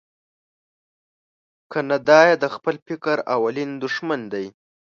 کنه دای د خپل فکر اولین دوښمن دی.